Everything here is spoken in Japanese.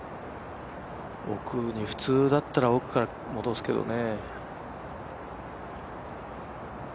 普通だったら奥からですけどね。